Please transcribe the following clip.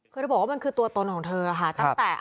เคยบอกว่ามันคือตัวตนของเธอค่ะ